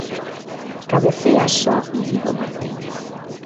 Cabecea só Íñigo Martínez.